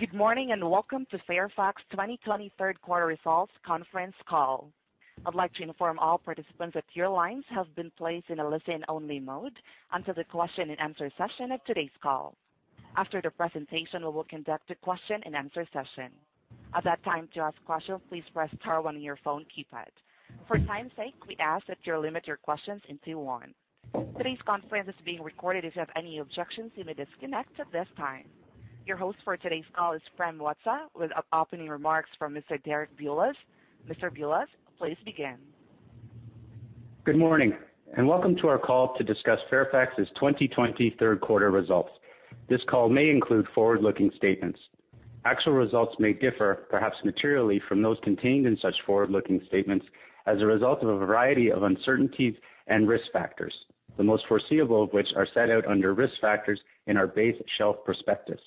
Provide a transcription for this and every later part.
Good morning, and welcome to Fairfax 2020 Third Quarter Results Conference Call. Your host for today's call is Prem Watsa, with opening remarks from Mr. Derek Bulas. Mr. Bulas, please begin. Good morning, welcome to our call to discuss Fairfax's 2020 third quarter results. This call may include forward-looking statements. Actual results may differ, perhaps materially, from those contained in such forward-looking statements as a result of a variety of uncertainties and risk factors, the most foreseeable of which are set out under risk factors in our base shelf prospectus,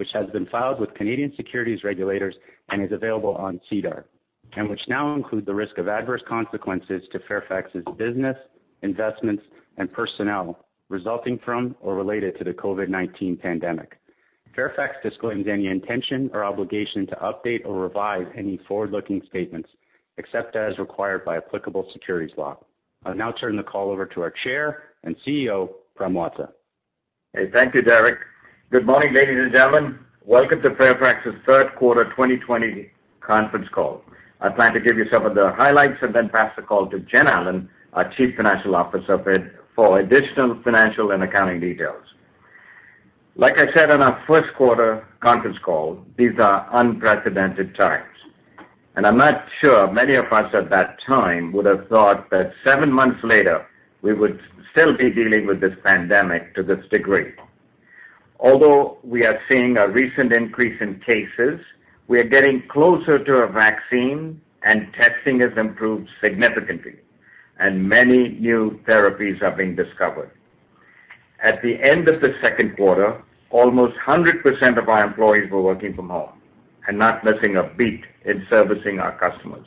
which has been filed with Canadian securities regulators and is available on SEDAR, and which now include the risk of adverse consequences to Fairfax's business, investments, and personnel resulting from or related to the COVID-19 pandemic. Fairfax disclaims any intention or obligation to update or revise any forward-looking statements, except as required by applicable securities law. I'll now turn the call over to our Chair and CEO, Prem Watsa. Hey, thank you, Derek. Good morning, ladies and gentlemen. Welcome to Fairfax's third quarter 2020 conference call. I plan to give you some of the highlights and then pass the call to Jen Allen, our Chief Financial Officer, for additional financial and accounting details. Like I said on our first quarter conference call, these are unprecedented times, and I'm not sure many of us at that time would have thought that seven months later, we would still be dealing with this pandemic to this degree. Although we are seeing a recent increase in cases, we are getting closer to a vaccine, and testing has improved significantly, and many new therapies are being discovered. At the end of the second quarter, almost 100% of our employees were working from home and not missing a beat in servicing our customers.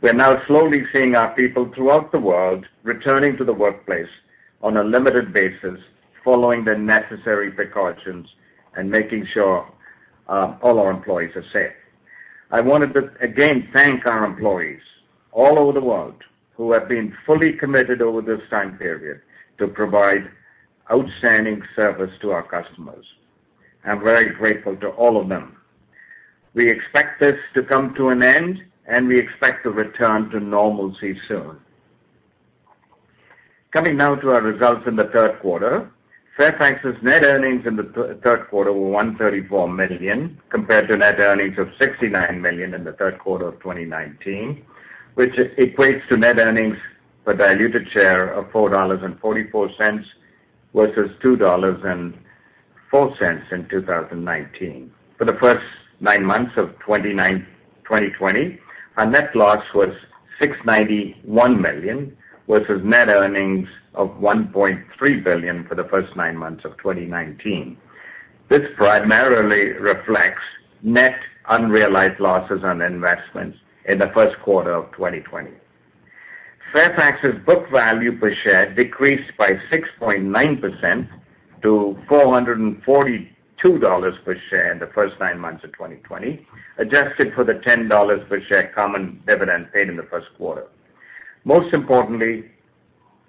We're now slowly seeing our people throughout the world returning to the workplace on a limited basis, following the necessary precautions and making sure all our employees are safe. I wanted to, again, thank our employees all over the world who have been fully committed over this time period to provide outstanding service to our customers. I'm very grateful to all of them. We expect this to come to an end, we expect to return to normalcy soon. Coming now to our results in the third quarter, Fairfax's net earnings in the third quarter were 134 million compared to net earnings of 69 million in the third quarter of 2019, which equates to net earnings per diluted share of 4.44 dollars versus 2.04 dollars in 2019. For the first nine months of 2020, our net loss was 691 million, versus net earnings of 1.3 billion for the first nine months of 2019. This primarily reflects net unrealized losses on investments in the first quarter of 2020. Fairfax's book value per share decreased by 6.9% to 442 dollars per share in the first nine months of 2020, adjusted for the 10 dollars per share common dividend paid in the first quarter. Most importantly,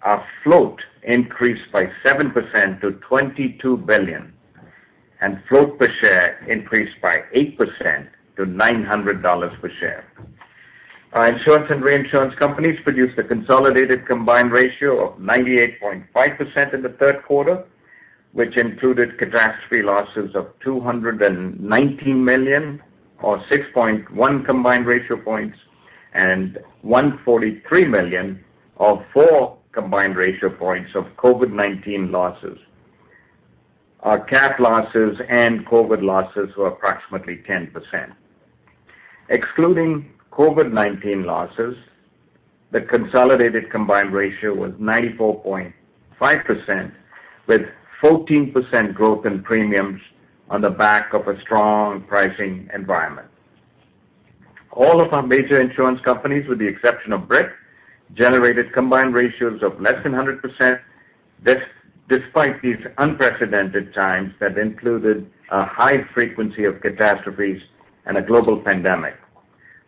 our float increased by 7% to 22 billion, and float per share increased by 8% to 900 dollars per share. Our insurance and reinsurance companies produced a consolidated combined ratio of 98.5% in the third quarter, which included catastrophe losses of 219 million, or 6.1 combined ratio points, and 143 million, or four combined ratio points of COVID-19 losses. Our cat losses and COVID losses were approximately 10%. Excluding COVID-19 losses, the consolidated combined ratio was 94.5%, with 14% growth in premiums on the back of a strong pricing environment. All of our major insurance companies, with the exception of Brit, generated combined ratios of less than 100%, despite these unprecedented times that included a high frequency of catastrophes and a global pandemic.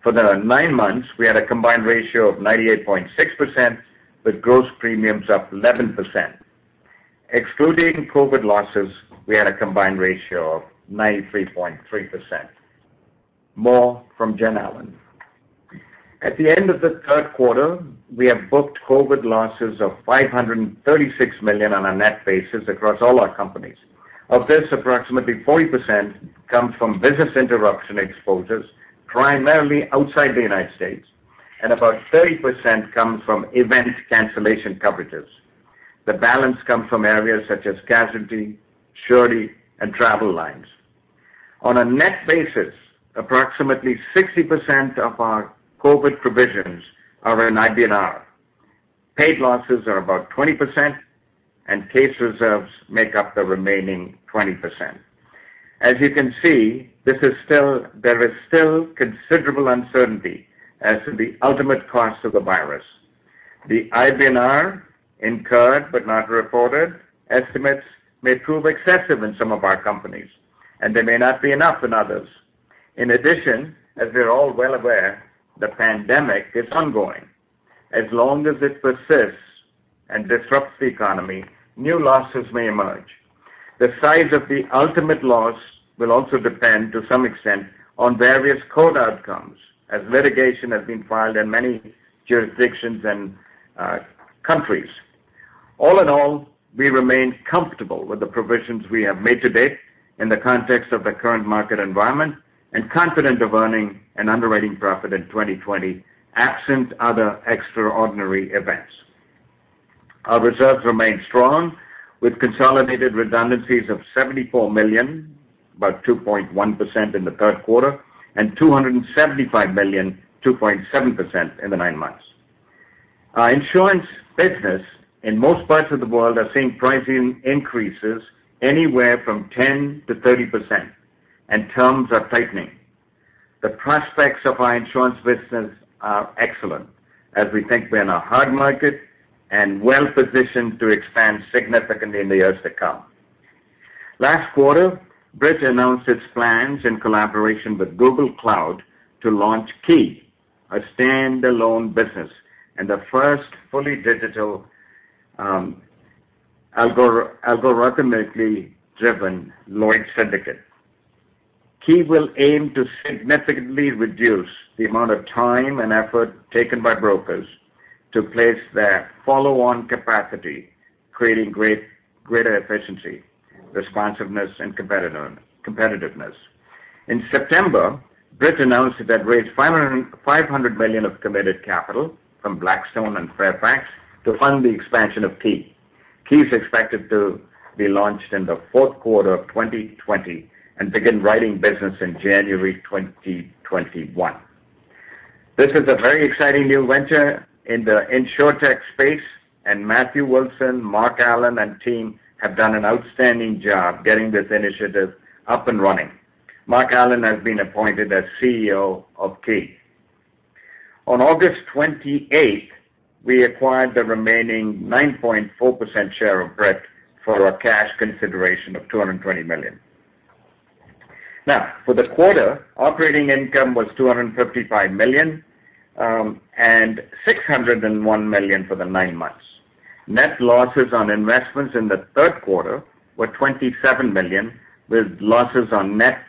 For the nine months, we had a combined ratio of 98.6% with gross premiums up 11%. Excluding COVID losses, we had a combined ratio of 93.3%. More from Jen Allen. At the end of the third quarter, we have booked COVID losses of 536 million on a net basis across all our companies. Of this, approximately 40% come from business interruption exposures, primarily outside the U.S., and about 30% come from event cancellation coverages. The balance come from areas such as casualty, surety, and travel lines. On a net basis, approximately 60% of our COVID-19 provisions are in IBNR. Paid losses are about 20%, and case reserves make up the remaining 20%. As you can see, there is still considerable uncertainty as to the ultimate cost of the virus. The IBNR, incurred but not reported, estimates may prove excessive in some of our companies, and they may not be enough in others. In addition, as we are all well aware, the pandemic is ongoing. As long as it persists and disrupts the economy, new losses may emerge. The size of the ultimate loss will also depend, to some extent, on various court outcomes, as litigation has been filed in many jurisdictions and countries. All in all, we remain comfortable with the provisions we have made to date in the context of the current market environment, and confident of earning an underwriting profit in 2020, absent other extraordinary events. Our reserves remain strong, with consolidated redundancies of 74 million, about 2.1% in the third quarter, and 275 million, 2.7% in the nine months. Our insurance business in most parts of the world are seeing pricing increases anywhere from 10%-30%, and terms are tightening. The prospects of our insurance business are excellent, as we think we're in a hard market and well-positioned to expand significantly in the years to come. Last quarter, Brit announced its plans in collaboration with Google Cloud to launch Ki, a standalone business, and the first fully digital algorithmically driven Lloyd's syndicate. Ki will aim to significantly reduce the amount of time and effort taken by brokers to place their follow-on capacity, creating greater efficiency, responsiveness, and competitiveness. In September, Brit announced that it raised 500 million of committed capital from Blackstone and Fairfax to fund the expansion of Ki. Ki is expected to be launched in the fourth quarter of 2020 and begin writing business in January 2021. This is a very exciting new venture in the InsurTech space, and Matthew Wilson, Mark Allan, and team have done an outstanding job getting this initiative up and running. Mark Allan has been appointed as CEO of Ki. On August 28th, we acquired the remaining 9.4% share of Brit for a cash consideration of 220 million. For the quarter, operating income was 255 million, and 601 million for the nine months. Net losses on investments in the third quarter were 27 million, with losses on net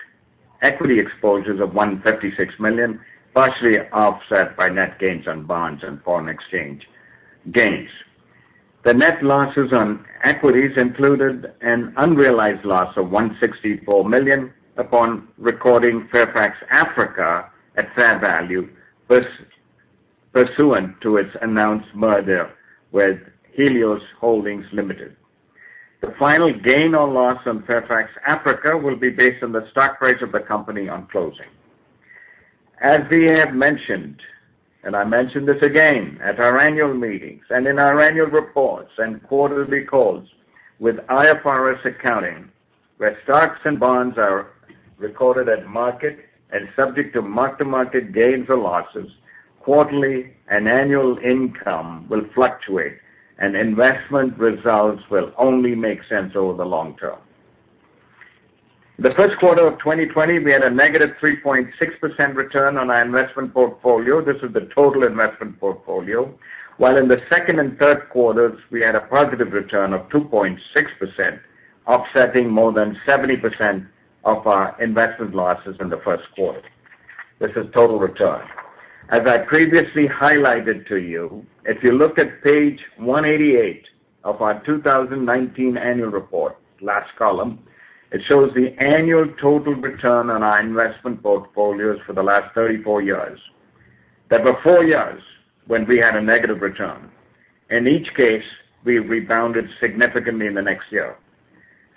equity exposures of 156 million, partially offset by net gains on bonds and foreign exchange gains. The net losses on equities included an unrealized loss of 164 million upon recording Fairfax Africa at fair value, pursuant to its announced merger with Helios Holdings Limited. The final gain or loss on Fairfax Africa will be based on the stock price of the company on closing. As we have mentioned, I mention this again at our annual meetings and in our annual reports and quarterly calls, with IFRS accounting, where stocks and bonds are recorded at market and subject to market gains or losses quarterly, annual income will fluctuate, and investment results will only make sense over the long term. The first quarter of 2020, we had a negative 3.6% return on our investment portfolio. This is the total investment portfolio. While in the second and third quarters, we had a positive return of 2.6%, offsetting more than 70% of our investment losses in the first quarter. This is total return. As I previously highlighted to you, if you look at page 188 of our 2019 annual report, last column, it shows the annual total return on our investment portfolios for the last 34 years. There were four years when we had a negative return. In each case, we rebounded significantly in the next year.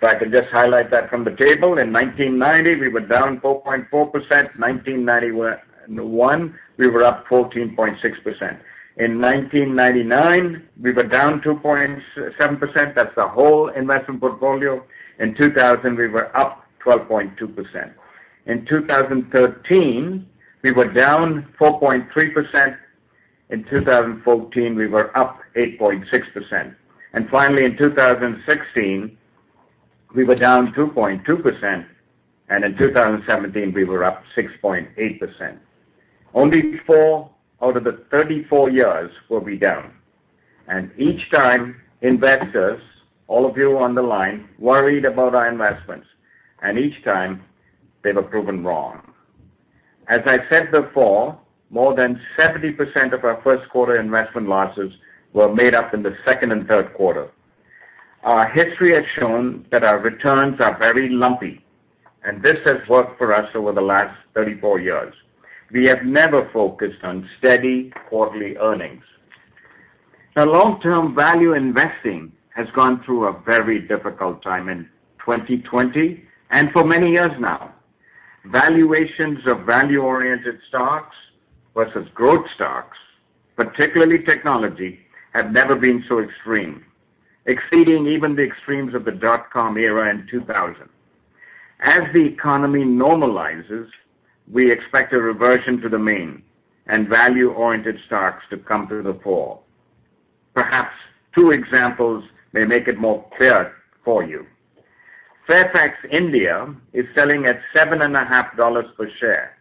If I could just highlight that from the table, in 1990, we were down 4.4%, 1991 we were up 14.6%. In 1999, we were down 2.7%. That's the whole investment portfolio. In 2000, we were up 12.2%. In 2013, we were down 4.3%. In 2014, we were up 8.6%. In 2016, we were down 2.2%, and in 2017, we were up 6.8%. Only four out of the 34 years were we down. Each time investors, all of you on the line, worried about our investments, and each time they were proven wrong. As I said before, more than 70% of our first quarter investment losses were made up in the second and third quarter. Our history has shown that our returns are very lumpy, and this has worked for us over the last 34 years. We have never focused on steady quarterly earnings. Long-term value investing has gone through a very difficult time in 2020 and for many years now. Valuations of value-oriented stocks versus growth stocks, particularly technology, have never been so extreme, exceeding even the extremes of the dot-com era in 2000. As the economy normalizes, we expect a reversion to the mean, and value-oriented stocks to come to the fore. Perhaps two examples may make it more clear for you. Fairfax India is selling at 7.50 dollars per share,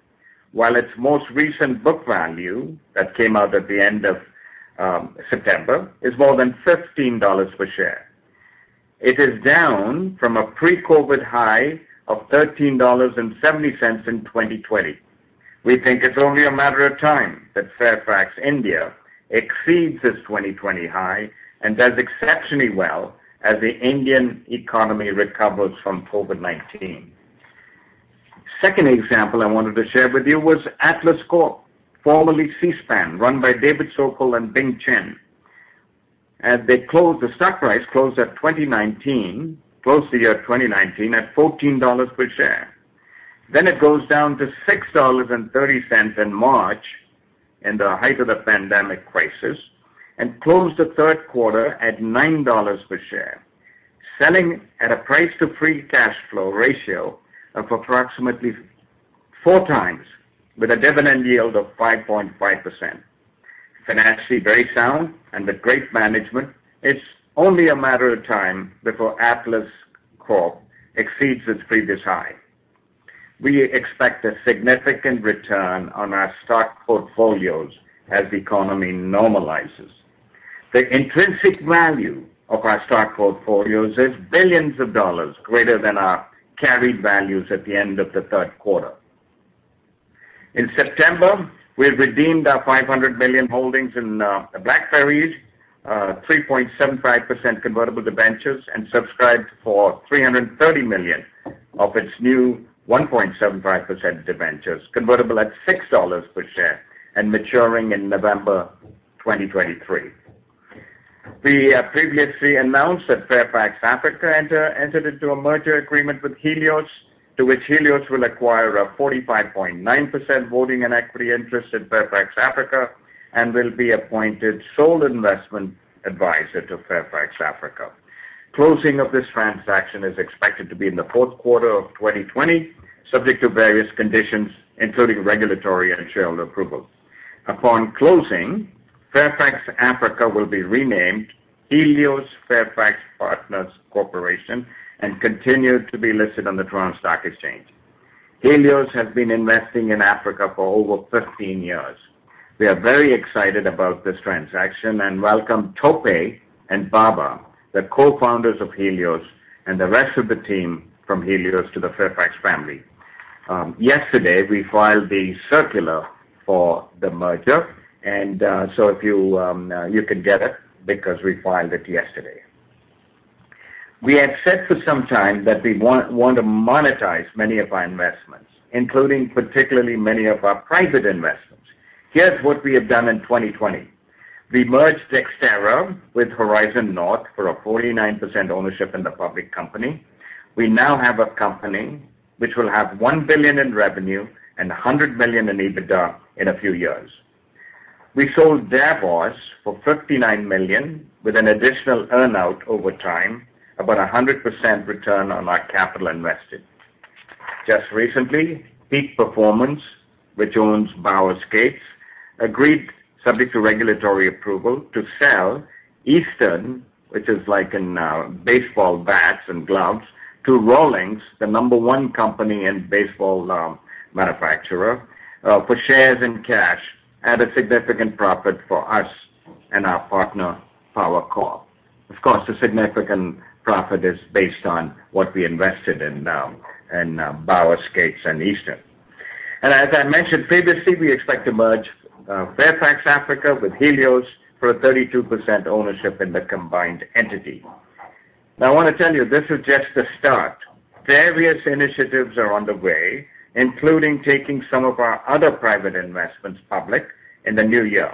while its most recent book value, that came out at the end of September, is more than 15 dollars per share. It is down from a pre-COVID high of 13.70 dollars in 2020. We think it's only a matter of time that Fairfax India exceeds its 2020 high and does exceptionally well as the Indian economy recovers from COVID-19. Second example I wanted to share with you was Atlas Corp., formerly Seaspan, run by David Sokol and Bing Chen. The stock price closed close to year 2019 at 14 dollars per share. It goes down to 6.30 dollars in March, in the height of the pandemic crisis, and closed the third quarter at 9 dollars per share. Selling at a price to free cash flow ratio of approximately 4x, with a dividend yield of 5.5%. Financially very sound and with great management, it's only a matter of time before Atlas Corp. exceeds its previous high. We expect a significant return on our stock portfolios as the economy normalizes. The intrinsic value of our stock portfolios is billions of CAD greater than our carried values at the end of the third quarter. In September, we redeemed our 500 million holdings in BlackBerry's 3.75% convertible debentures and subscribed for 330 million of its new 1.75% debentures, convertible at 6 dollars per share and maturing in November 2023. We previously announced that Fairfax Africa entered into a merger agreement with Helios, to which Helios will acquire a 45.9% voting and equity interest in Fairfax Africa and will be appointed sole investment advisor to Fairfax Africa. Closing of this transaction is expected to be in the fourth quarter of 2020, subject to various conditions, including regulatory and shareholder approval. Upon closing, Fairfax Africa will be renamed Helios Fairfax Partners Corporation and continue to be listed on the Toronto Stock Exchange. Helios has been investing in Africa for over 15 years. We are very excited about this transaction and welcome Tope and Baba, the co-founders of Helios, and the rest of the team from Helios to the Fairfax family. Yesterday, we filed the circular for the merger. You can get it because we filed it yesterday. We have said for some time that we want to monetize many of our investments, including particularly many of our private investments. Here's what we have done in 2020. We merged Dexterra with Horizon North for a 49% ownership in the public company. We now have a company which will have 1 billion in revenue and 100 million in EBITDA in a few years. We sold Davos for 59 million with an additional earn-out over time, about 100% return on our capital invested. Just recently, Peak Achievement Athletics, which owns Bauer Hockey, agreed, subject to regulatory approval, to sell Easton, which is like in baseball bats and gloves, to Rawlings, the number one company in baseball manufacturer, for shares and cash at a significant profit for us and our partner, Power Corp. Of course, the significant profit is based on what we invested in Bauer Hockey and Easton. As I mentioned previously, we expect to merge Helios Fairfax Partners Corporation with Helios for a 32% ownership in the combined entity. I want to tell you, this is just the start. Various initiatives are on the way, including taking some of our other private investments public in the new year.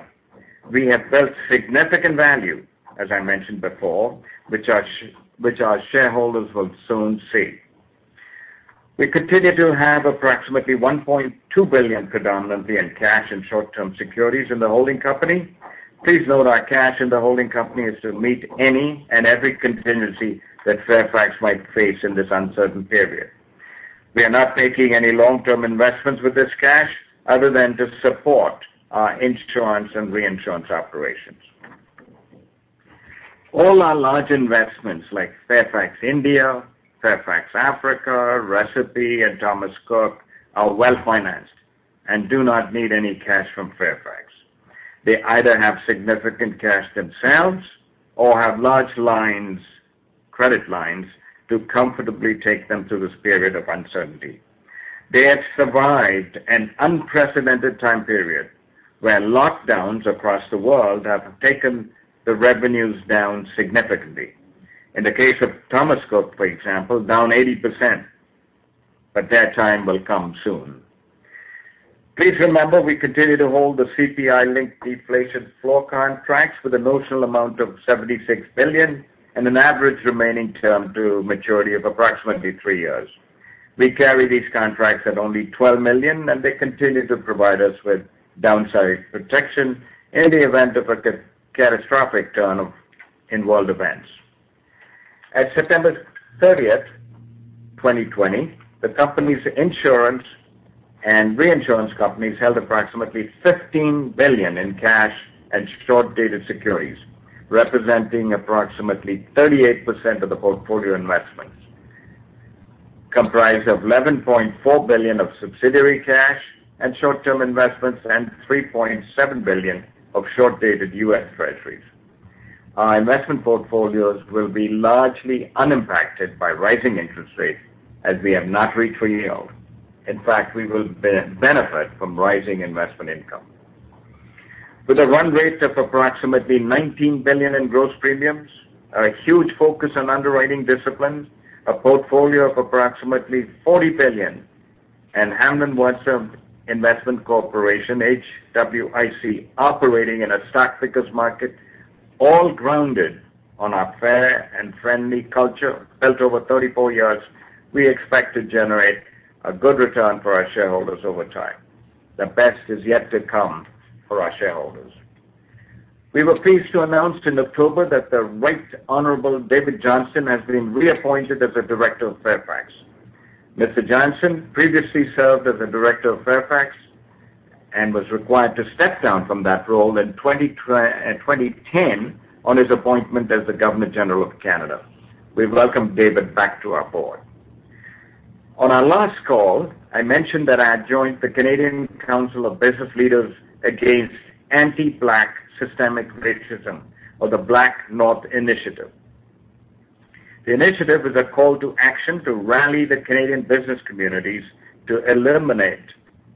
We have built significant value, as I mentioned before, which our shareholders will soon see. We continue to have approximately 1.2 billion predominantly in cash and short-term securities in the holding company. Please note our cash in the holding company is to meet any and every contingency that Fairfax might face in this uncertain period. We are not making any long-term investments with this cash other than to support our insurance and reinsurance operations. All our large investments, like Fairfax India, Helios Fairfax Partners Corporation, Recipe, and Thomas Cook, are well-financed and do not need any cash from Fairfax. They either have significant cash themselves or have large credit lines to comfortably take them through this period of uncertainty. They have survived an unprecedented time period, where lockdowns across the world have taken the revenues down significantly. In the case of Thomas Cook, for example, down 80%. Their time will come soon. Please remember, we continue to hold the CPI-linked deflation floor contracts with a notional amount of $76 billion and an average remaining term to maturity of approximately three years. We carry these contracts at only $12 million, and they continue to provide us with downside protection in the event of a catastrophic turn in world events. At September 30th, 2020, the company's insurance and reinsurance companies held approximately 15 billion in cash and short-dated securities, representing approximately 38% of the portfolio investments, comprised of 11.4 billion of subsidiary cash and short-term investments, and $3.7 billion of short-dated U.S. Treasuries. Our investment portfolios will be largely unimpacted by rising interest rates, as we have not reached yield. We will benefit from rising investment income. With a run rate of approximately 19 billion in gross premiums, a huge focus on underwriting discipline, a portfolio of approximately 40 billion, and Hamblin Watsa Investment Counsel Ltd., HWIC, operating in a stock picker's market, all grounded on our fair and friendly culture built over 34 years, we expect to generate a good return for our shareholders over time. The best is yet to come for our shareholders. We were pleased to announce in October that the Right Honorable David Johnston has been reappointed as a Director of Fairfax. Mr. Johnston previously served as a Director of Fairfax and was required to step down from that role in 2010 on his appointment as the Governor General of Canada. We welcome David back to our board. Our last call, I mentioned that I had joined the Canadian Council of Business Leaders Against Anti-Black Systemic Racism or the BlackNorth Initiative. The initiative is a call to action to rally the Canadian business communities to eliminate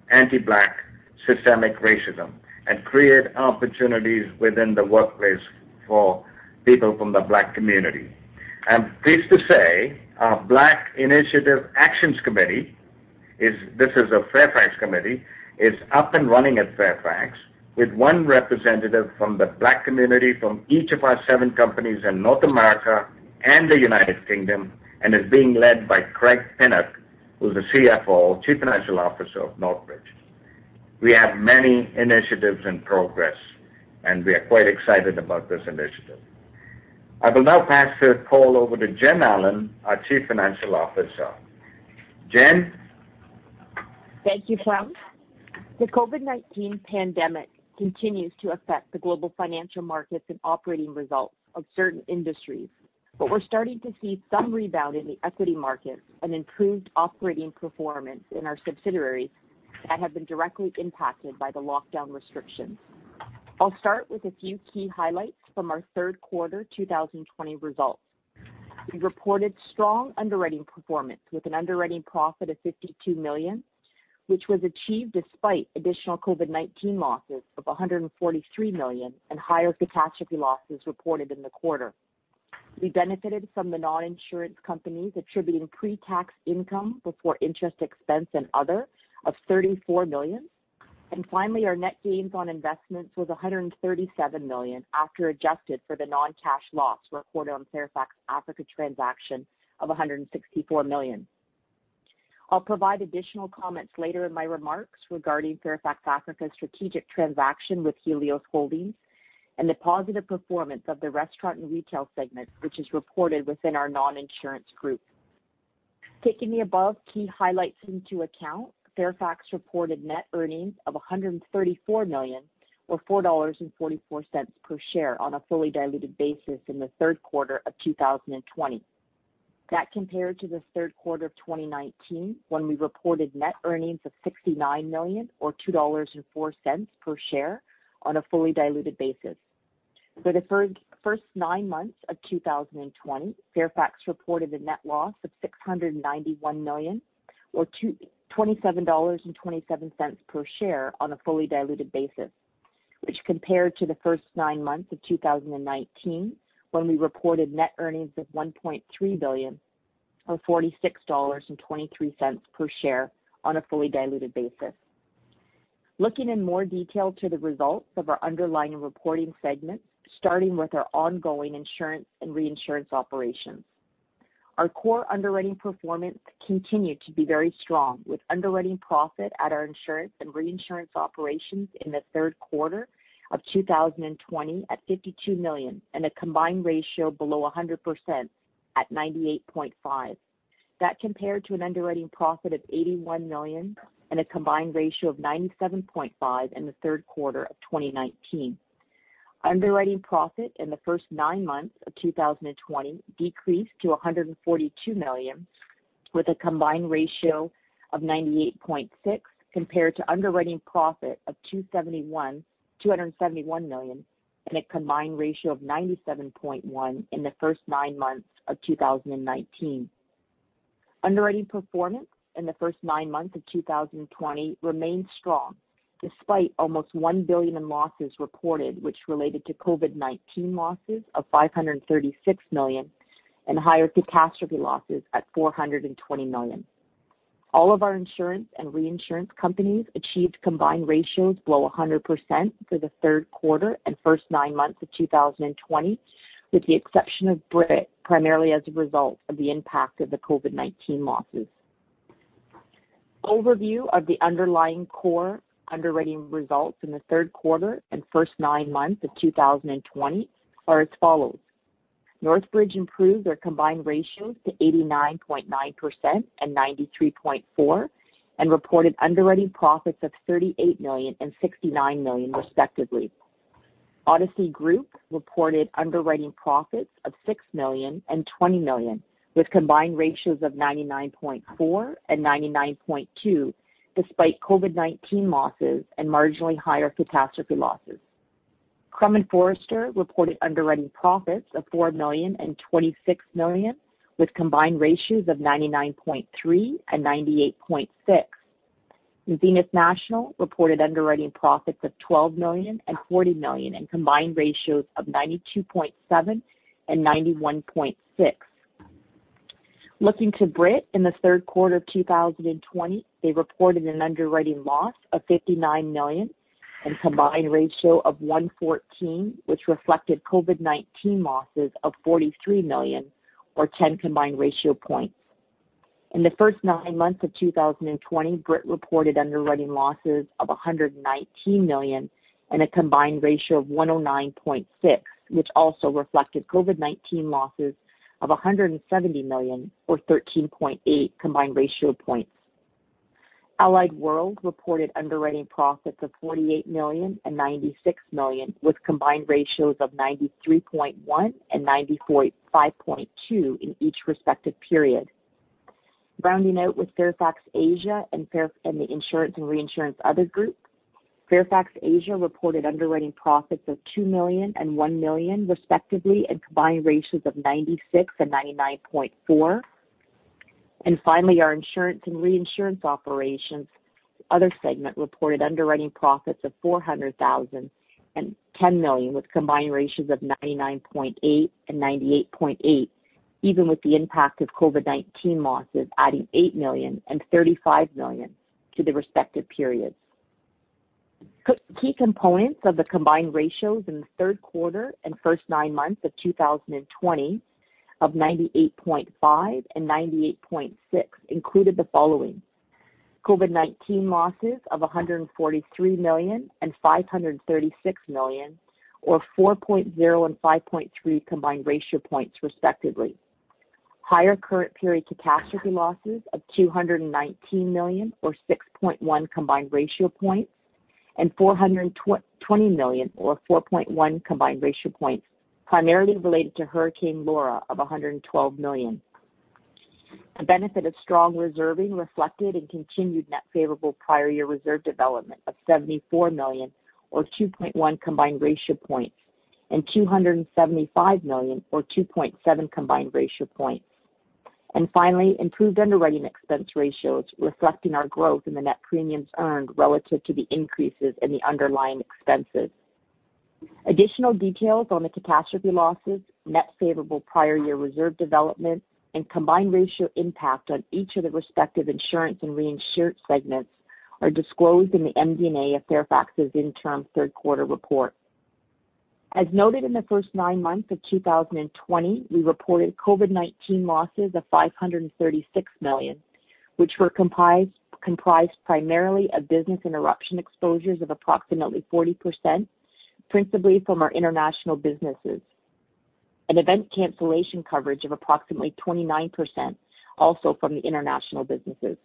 anti-Black systemic racism and create opportunities within the workplace for people from the Black community. I'm pleased to say our Black Initiatives Action Committee, this is a Fairfax committee, is up and running at Fairfax with one representative from the Black community from each of our seven companies in North America and the U.K., and is being led by Craig Pinnock, who's the CFO, Chief Financial Officer of Northbridge. We have many initiatives in progress, and we are quite excited about this initiative. I will now pass the call over to Jen Allen, our Chief Financial Officer. Jen? Thank you, Prem. The COVID-19 pandemic continues to affect the global financial markets and operating results of certain industries. We're starting to see some rebound in the equity markets and improved operating performance in our subsidiaries that have been directly impacted by the lockdown restrictions. I'll start with a few key highlights from our third quarter 2020 results. We reported strong underwriting performance with an underwriting profit of 52 million, which was achieved despite additional COVID-19 losses of 143 million and higher catastrophe losses reported in the quarter. We benefited from the non-insurance companies attributing pre-tax income before interest expense and other of 34 million. Finally, our net gains on investments was 137 million after adjusted for the non-cash loss recorded on Fairfax Africa transaction of 164 million. I'll provide additional comments later in my remarks regarding Fairfax Africa's strategic transaction with Helios Holdings and the positive performance of the restaurant and retail segment, which is reported within our non-insurance group. Taking the above key highlights into account, Fairfax reported net earnings of 134 million or 4.44 dollars per share on a fully diluted basis in the third quarter of 2020. Compared to the third quarter of 2019, when we reported net earnings of 69 million or 2.04 dollars per share on a fully diluted basis. For the first nine months of 2020, Fairfax reported a net loss of 691 million or 27.27 dollars per share on a fully diluted basis, which compared to the first nine months of 2019, when we reported net earnings of 1.3 billion or 46.23 dollars per share on a fully diluted basis. Looking in more detail to the results of our underlying reporting segments, starting with our ongoing insurance and reinsurance operations. Our core underwriting performance continued to be very strong with underwriting profit at our insurance and reinsurance operations in the third quarter of 2020 at 52 million and a combined ratio below 100% at 98.5%. That compared to an underwriting profit of 81 million and a combined ratio of 97.5% in the third quarter of 2019. Underwriting profit in the first nine months of 2020 decreased to 142 million, with a combined ratio of 98.6% compared to underwriting profit of 271 million and a combined ratio of 97.1% in the first nine months of 2019. Underwriting performance in the first nine months of 2020 remained strong, despite almost 1 billion in losses reported, which related to COVID-19 losses of 536 million and higher catastrophe losses at 420 million. All of our insurance and reinsurance companies achieved combined ratios below 100% for the third quarter and first nine months of 2020, with the exception of Brit, primarily as a result of the impact of the COVID-19 losses. Overview of the underlying core underwriting results in the third quarter and first nine months of 2020 are as follows. Northbridge improved their combined ratios to 89.9% and 93.4% and reported underwriting profits of 38 million and 69 million respectively. Odyssey Group reported underwriting profits of 6 million and 20 million, with combined ratios of 99.4% and 99.2%, despite COVID-19 losses and marginally higher catastrophe losses. Crum & Forster reported underwriting profits of 4 million and 26 million, with combined ratios of 99.3% and 98.6%. Zenith National reported underwriting profits of 12 million and 40 million in combined ratios of 92.7% and 91.6%. Looking to Brit in the third quarter of 2020, they reported an underwriting loss of 59 million and combined ratio of 114, which reflected COVID-19 losses of 43 million or 10 combined ratio points. In the first nine months of 2020, Brit reported underwriting losses of 119 million and a combined ratio of 109.6, which also reflected COVID-19 losses of 170 million or 13.8 combined ratio points. Allied World reported underwriting profits of 48 million and 96 million, with combined ratios of 93.1% and 95.2% in each respective period. Rounding out with Fairfax Asia and the insurance and reinsurance other group. Fairfax Asia reported underwriting profits of 2 million and 1 million respectively, and combined ratios of 96 and 99.4. Finally, our insurance and reinsurance operations other segment reported underwriting profits of 400,000 and 10 million, with combined ratios of 99.8% and 98.8%, even with the impact of COVID-19 losses adding 8 million and 35 million to the respective periods. Key components of the combined ratios in the third quarter and first nine months of 2020 of 98.5% and 98.6% included the following. COVID-19 losses of 143 million and 536 million, or 4.0 and 5.3 combined ratio points respectively, higher current period catastrophe losses of 219 million or 6.1 combined ratio points, and 420 million or 4.1 combined ratio points, primarily related to Hurricane Laura of 112 million. The benefit of strong reserving reflected in continued net favorable prior year reserve development of 74 million or 2.1 combined ratio points, and 275 million or 2.7 combined ratio points. Finally, improved underwriting expense ratios reflecting our growth in the net premiums earned relative to the increases in the underlying expenses. Additional details on the catastrophe losses, net favorable prior year reserve development, and combined ratio impact on each of the respective insurance and reinsured segments are disclosed in the MD&A of Fairfax's interim third quarter report. As noted in the first nine months of 2020, we reported COVID-19 losses of 536 million, which were comprised primarily of business interruption exposures of approximately 40%, principally from our international businesses. An event cancellation coverage of approximately 29%, also from the international businesses.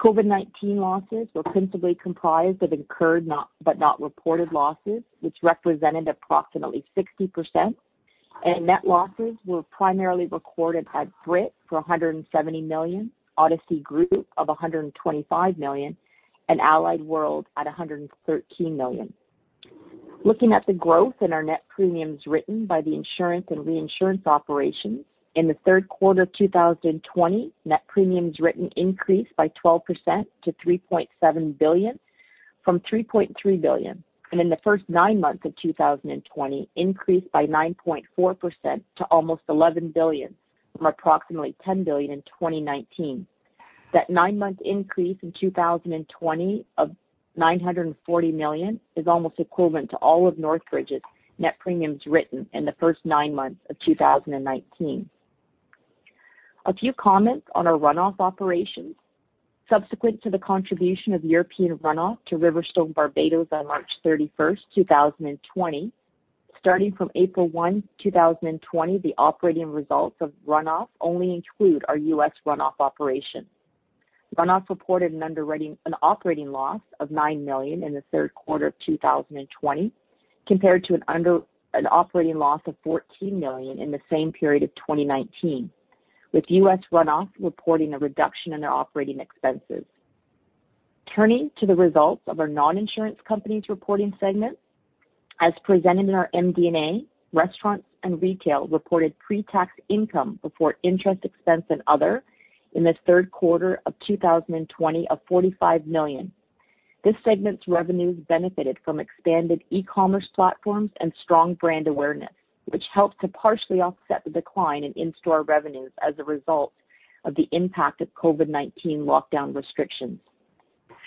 COVID-19 losses were principally comprised of incurred but not reported losses, which represented approximately 60%, and net losses were primarily recorded at Brit for 170 million, Odyssey Group of 125 million, and Allied World at 113 million. Looking at the growth in our net premiums written by the insurance and reinsurance operations, in the third quarter of 2020, net premiums written increased by 12% to 3.7 billion from 3.3 billion. In the first nine months of 2020, increased by 9.4% to almost 11 billion from approximately 10 billion in 2019. That nine-month increase in 2020 of 940 million is almost equivalent to all of Northbridge's net premiums written in the first nine months of 2019. A few comments on our runoff operations. Subsequent to the contribution of European runoff to RiverStone Barbados on March 31, 2020, starting from April 1, 2020, the operating results of runoff only include our U.S. runoff operations. Runoff reported an operating loss of 9 million in the third quarter of 2020 compared to an operating loss of 14 million in the same period of 2019, with U.S. runoff reporting a reduction in their operating expenses. Turning to the results of our non-insurance company's reporting segment, as presented in our MD&A, restaurants and retail reported pre-tax income before interest expense and other in the third quarter of 2020 of 45 million. This segment's revenues benefited from expanded e-commerce platforms and strong brand awareness, which helped to partially offset the decline in in-store revenues as a result of the impact of COVID-19 lockdown restrictions.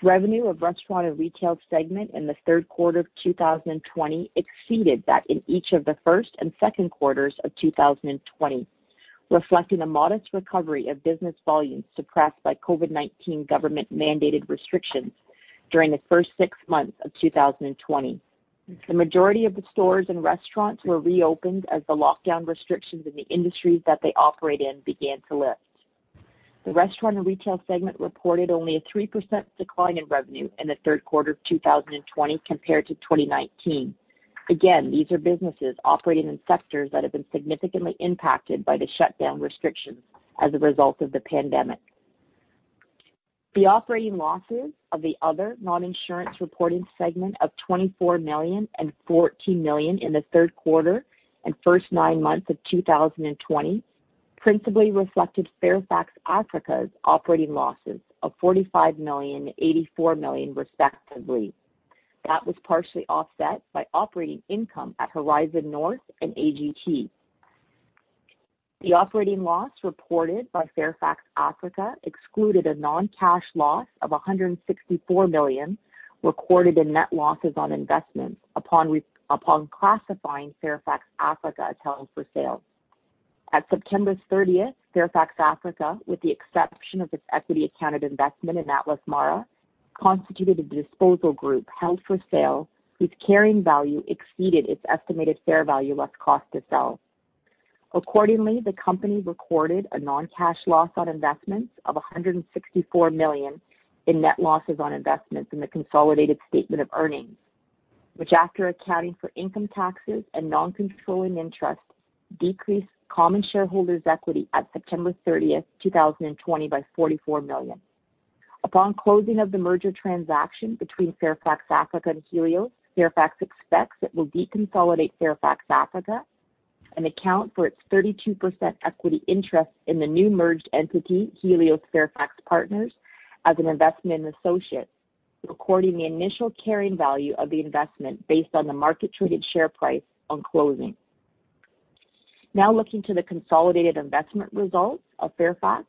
Revenue of restaurant and retail segment in the third quarter of 2020 exceeded that in each of the first and second quarters of 2020, reflecting a modest recovery of business volumes suppressed by COVID-19 government-mandated restrictions during the first six months of 2020. The majority of the stores and restaurants were reopened as the lockdown restrictions in the industries that they operate in began to lift. The restaurant and retail segment reported only a 3% decline in revenue in the third quarter of 2020 compared to 2019. Again, these are businesses operating in sectors that have been significantly impacted by the shutdown restrictions as a result of the pandemic. The operating losses of the other non-insurance reported segment of 24 million and 14 million in the third quarter and first nine months of 2020 principally reflected Fairfax Africa's operating losses of 45 million, 84 million, respectively. That was partially offset by operating income at Horizon North and AGT. The operating loss reported by Fairfax Africa excluded a non-cash loss of 164 million recorded in net losses on investments upon classifying Fairfax Africa as held for sale. At September 30th, Fairfax Africa, with the exception of its equity accounted investment in Atlas Mara, constituted a disposal group held for sale, whose carrying value exceeded its estimated fair value less cost to sell. Accordingly, the company recorded a non-cash loss on investments of 164 million in net losses on investments in the consolidated statement of earnings, which, after accounting for income taxes and non-controlling interests, decreased common shareholders' equity at September 30th, 2020, by 44 million. Upon closing of the merger transaction between Fairfax Africa and Helios, Fairfax expects it will deconsolidate Fairfax Africa and account for its 32% equity interest in the new merged entity, Helios Fairfax Partners, as an investment in associates, recording the initial carrying value of the investment based on the market-traded share price on closing. Looking to the consolidated investment results of Fairfax.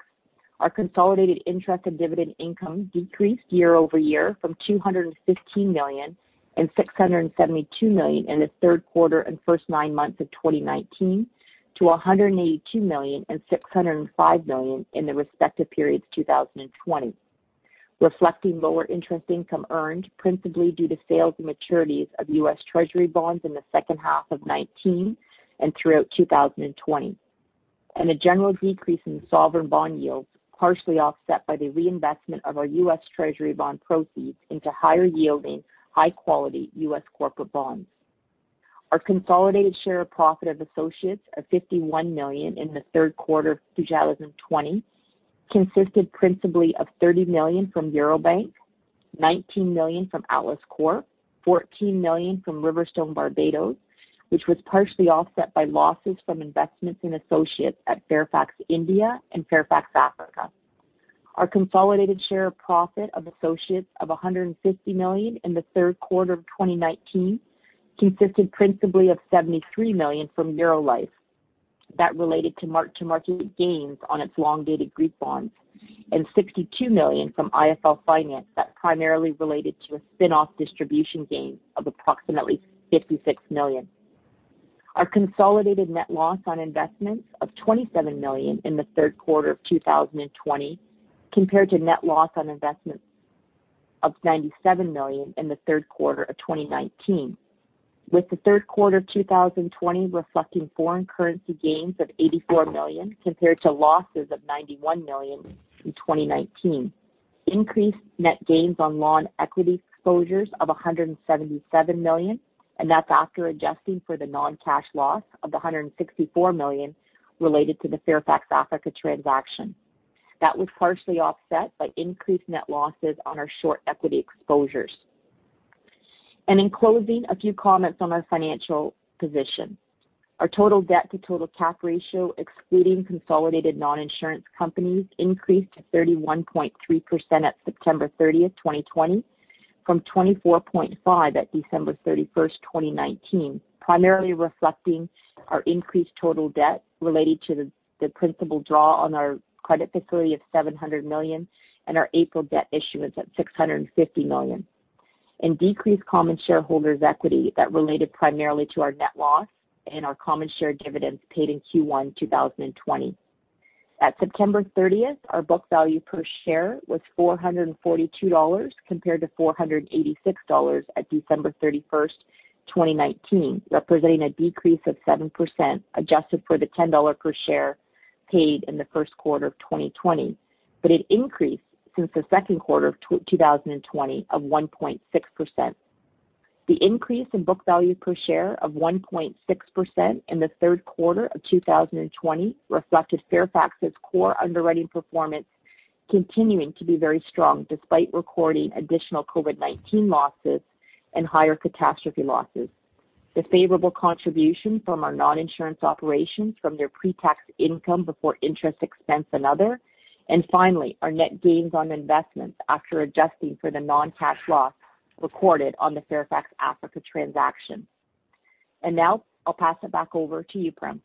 Our consolidated interest and dividend income decreased year over year from 215 million and 672 million in the third quarter and first nine months of 2019 to 182 million and 605 million in the respective periods 2020, reflecting lower interest income earned principally due to sales and maturities of U.S. Treasury bonds in the second half of 2019 and throughout 2020. A general decrease in sovereign bond yields, partially offset by the reinvestment of our U.S. Treasury bond proceeds into higher-yielding, high-quality U.S. corporate bonds. Our consolidated share of profit of associates of 51 million in the third quarter of 2020 consisted principally of 30 million from Eurobank, 19 million from Atlas Corp., 14 million from RiverStone Barbados, which was partially offset by losses from investments in associates at Fairfax India and Fairfax Africa. Our consolidated share of profit of associates of 150 million in the third quarter of 2019 consisted principally of 73 million from Eurolife. That related to mark-to-market gains on its long-dated Greek bonds and 62 million from IIFL Finance that primarily related to a spin-off distribution gain of approximately 56 million. Our consolidated net loss on investments of 27 million in the third quarter of 2020 compared to net loss on investments of 97 million in the third quarter of 2019, with the third quarter of 2020 reflecting foreign currency gains of 84 million compared to losses of 91 million in 2019. Increased net gains on long equity exposures of 177 million, and that's after adjusting for the non-cash loss of 164 million related to the Fairfax Africa transaction. That was partially offset by increased net losses on our short equity exposures. In closing, a few comments on our financial position. Our total debt to total cap ratio, excluding consolidated non-insurance companies, increased to 31.3% at September 30th, 2020, from 24.5% at December 31st, 2019, primarily reflecting our increased total debt related to the principal draw on our credit facility of 700 million and our April debt issuance of 650 million, and decreased common shareholders' equity that related primarily to our net loss and our common share dividends paid in Q1 2020. At September 30th, our book value per share was 442 dollars compared to 486 dollars at December 31st, 2019, representing a decrease of 7% adjusted for the 10 dollar per share paid in the first quarter of 2020. It increased since the second quarter of 2020 of 1.6%. The increase in book value per share of 1.6% in the third quarter of 2020 reflected Fairfax's core underwriting performance continuing to be very strong despite recording additional COVID-19 losses and higher catastrophe losses. The favorable contribution from our non-insurance operations from their pre-tax income before interest expense and other, and finally, our net gains on investments after adjusting for the non-cash loss recorded on the Fairfax Africa transaction. Now I'll pass it back over to you, Prem.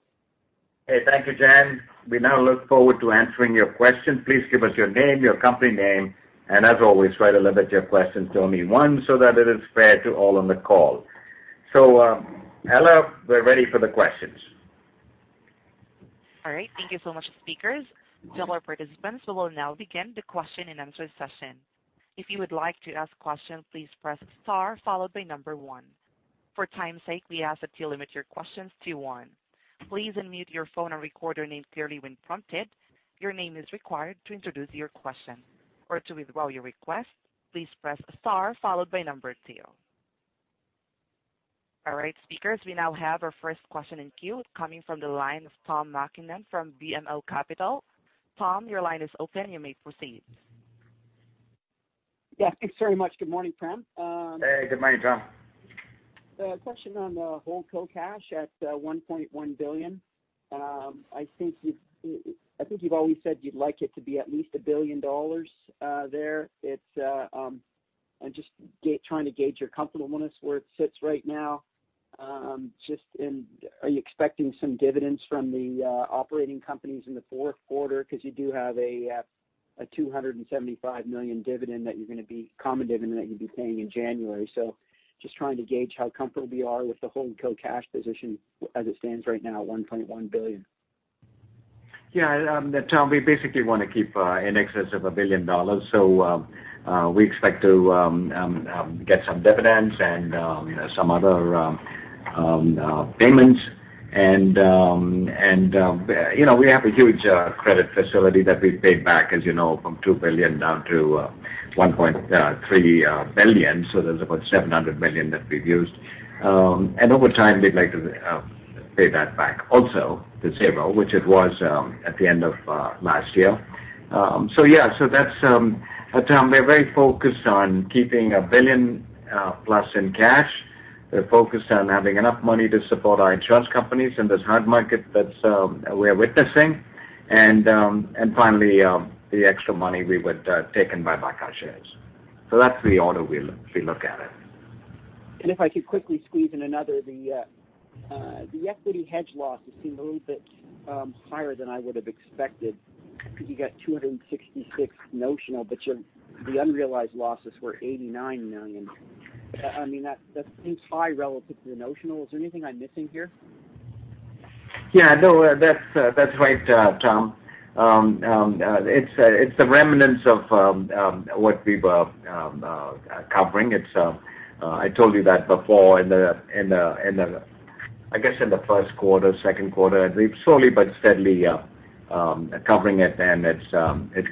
Hey, thank you, Jen. We now look forward to answering your questions. Please give us your name, your company name. As always, try to limit your questions to only one so that it is fair to all on the call. Ella, we're ready for the questions. All right. Thank you so much, speakers. To all our participants, we will now begin the question and answer session. All right, speakers, we now have our first question in queue coming from the line of Tom MacKinnon from BMO Capital Markets. Tom, your line is open. You may proceed. Yeah, thanks very much. Good morning, Prem. Hey, good morning, Tom. A question on the hold co cash at 1.1 billion. I think you've always said you'd like it to be at least 1 billion dollars there. I'm just trying to gauge your comfortableness where it sits right now. Are you expecting some dividends from the operating companies in the fourth quarter? You do have a 275 million common dividend that you're going to be paying in January. Just trying to gauge how comfortable you are with the hold co cash position as it stands right now at 1.1 billion. Tom, we basically want to keep in excess of 1 billion dollars. We expect to get some dividends and some other payments. We have a huge credit facility that we've paid back, as you know, from 2 billion down to 1.3 billion. There's about 700 million that we've used. Over time, we'd like to pay that back also to zero, which it was at the end of last year. Tom, we're very focused on keeping 1 billion plus in cash. We're focused on having enough money to support our insurance companies in this hard market that we're witnessing. Finally, the extra money we would take and buy back our shares. That's the order we look at it. If I could quickly squeeze in another. The equity hedge losses seem a little bit higher than I would have expected because you got 266 notional, but the unrealized losses were 89 million. That seems high relative to the notional. Is there anything I am missing here? Yeah, no, that's right, Tom. It's the remnants of what we were covering. I told you that before in the first quarter, second quarter. We're slowly but steadily covering it, and it's gone. It's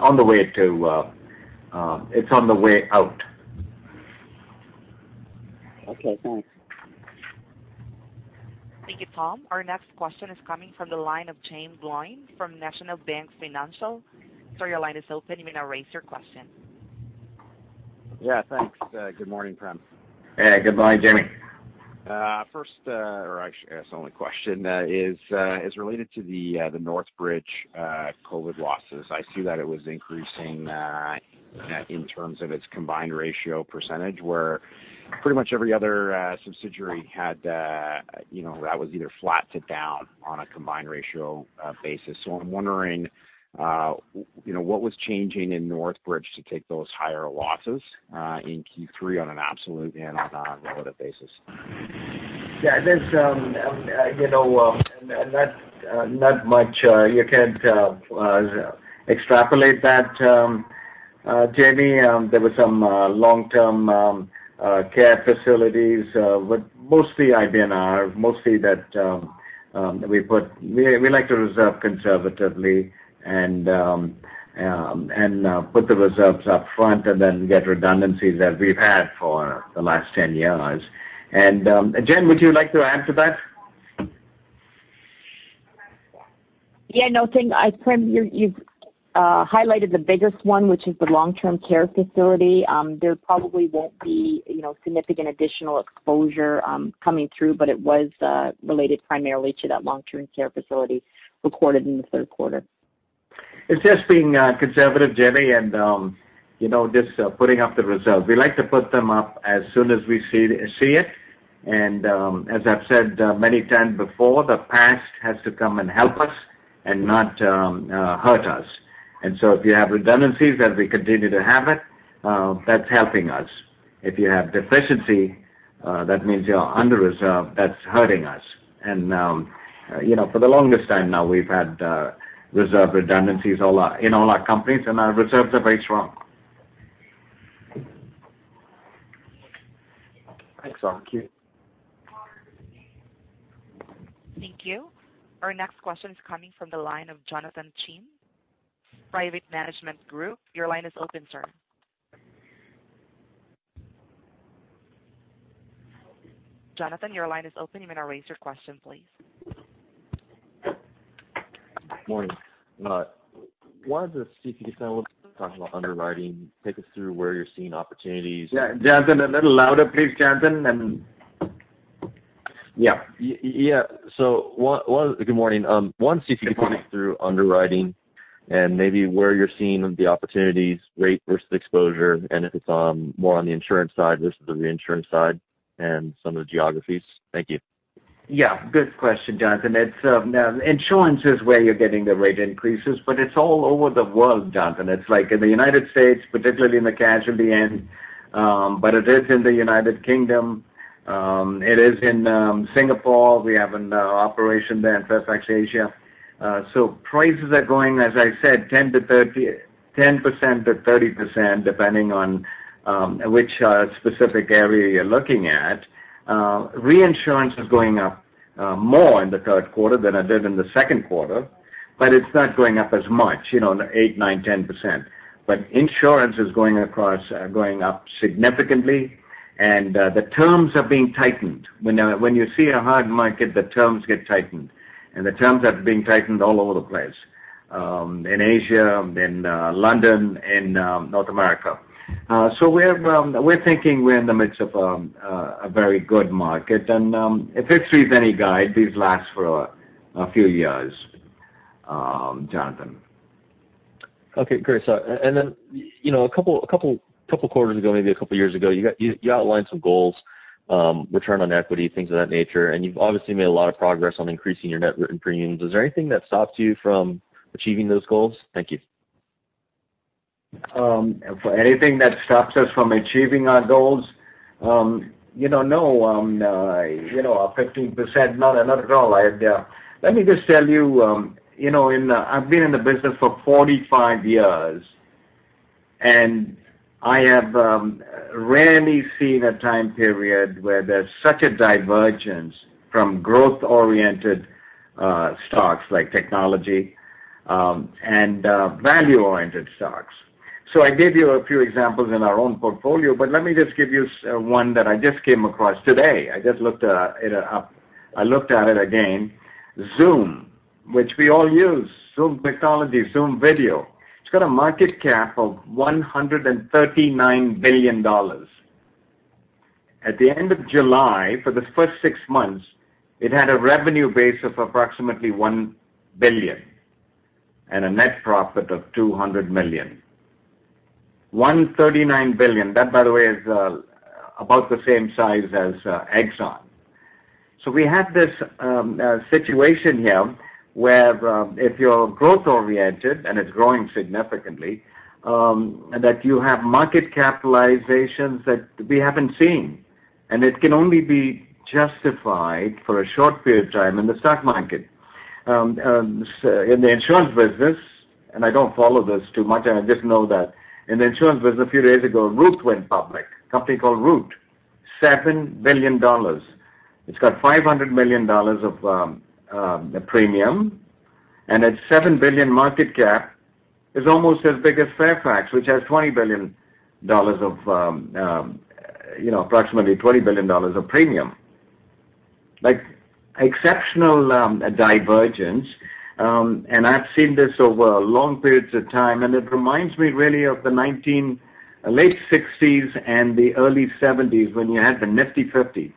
on the way out. Okay, thanks. Thank you, Tom. Our next question is coming from the line of Jaeme Gloyn from National Bank Financial. Sir, your line is open. You may now raise your question. Yeah, thanks. Good morning, Prem. Hey, good morning, Jaeme. Actually, it's only question, is related to the Northbridge COVID losses. I see that it was increasing in terms of its combined ratio percentage, where pretty much every other subsidiary that was either flat to down on a combined ratio basis. I'm wondering what was changing in Northbridge to take those higher losses in Q3 on an absolute and on a relative basis? Yeah. Not much you can extrapolate that, Jaeme. There were some long-term care facilities, but mostly IBNR. Mostly that we like to reserve conservatively and put the reserves up front and then get redundancies that we've had for the last 10 years. Jen, would you like to add to that? Yeah. No, Prem, you've highlighted the biggest one, which is the long-term care facility. There probably won't be significant additional exposure coming through, but it was related primarily to that long-term care facility recorded in the third quarter. It's just being conservative, Jaeme, just putting up the reserve. We like to put them up as soon as we see it. As I've said many times before, the past has to come and help us and not hurt us. If you have redundancies, as we continue to have it, that's helping us. If you have deficiency, that means you're under-reserved. That's hurting us. For the longest time now, we've had reserve redundancies in all our companies, and our reserves are very strong. Thanks. Thank you. Thank you. Our next question is coming from the line of Jonathan Chin, Private Management Group. Your line is open, sir. Jonathan, your line is open. You may now raise your question, please. Morning. I wanted to see if you could spend a little time talking about underwriting. Take us through where you're seeing opportunities? Jonathan, a little louder, please, Jonathan. Good morning. If you could talk me through underwriting and maybe where you're seeing the opportunities, rate versus exposure, and if it's more on the insurance side, less on the reinsurance side, and some of the geographies. Thank you. Good question, Jonathan. Insurance is where you're getting the rate increases, it's all over the world, Jonathan. It's like in the U.S., particularly in the casualty end, but it is in the U.K. It is in Singapore. We have an operation there in Fairfax Asia. Prices are going, as I said, 10%-30%, depending on which specific area you're looking at. Reinsurance is going up more in the third quarter than it did in the second quarter, but it's not going up as much, 8%, 9%, 10%. Insurance is going up significantly, and the terms are being tightened. When you see a hard market, the terms get tightened. The terms are being tightened all over the place. In Asia, in London, in North America. We're thinking we're in the midst of a very good market. If history is any guide, these last for a few years, Jonathan. Okay, great. A couple of quarters ago, maybe a couple of years ago, you outlined some goals, return on equity, things of that nature, and you've obviously made a lot of progress on increasing your net written premiums. Is there anything that stops you from achieving those goals? Thank you. Anything that stops us from achieving our goals? No. 15%, not at all. Let me just tell you, I've been in the business for 45 years, and I have rarely seen a time period where there's such a divergence from growth-oriented stocks, like technology, and value-oriented stocks. I gave you a few examples in our own portfolio, but let me just give you one that I just came across today. I just looked at it again. Zoom, which we all use, Zoom Technology, Zoom Video, it's got a market cap of $139 billion. At the end of July, for the first six months, it had a revenue base of approximately 1 billion and a net profit of 200 million. 139 billion. That, by the way, is about the same size as Exxon. We have this situation here where if you're growth oriented, and it's growing significantly, that you have market capitalizations that we haven't seen. It can only be justified for a short period of time in the stock market. In the insurance business, I don't follow this too much, I just know that in the insurance business a few days ago, Root went public. A company called Root. 7 billion dollars. It's got 500 million dollars of premium, and its 7 billion market cap is almost as big as Fairfax, which has approximately CAD 20 billion of premium. Exceptional divergence, I've seen this over long periods of time, and it reminds me really of the late 1960s and the early 1970s, when you had the Nifty Fifty.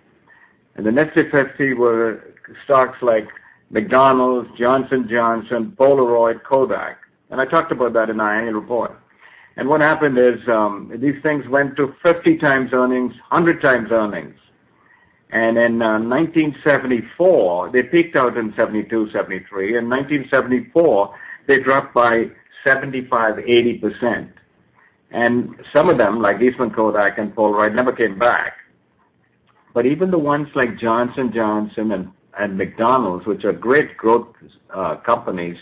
The Nifty Fifty were stocks like McDonald's, Johnson & Johnson, Polaroid, Kodak. I talked about that in my annual report. What happened is, these things went to 50 times earnings, 100 times earnings. In 1974, they peaked out in 1972-1973. In 1974, they dropped by 75%-80%. Some of them, like Eastman Kodak and Polaroid, never came back. Even the ones like Johnson & Johnson and McDonald's, which are great growth companies,